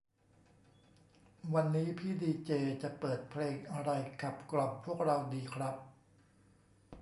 วันนี้พี่ดีเจจะเปิดเพลงอะไรขับกล่อมพวกเราดีครับ